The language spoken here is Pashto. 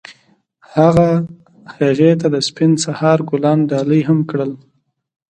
هغه هغې ته د سپین سهار ګلان ډالۍ هم کړل.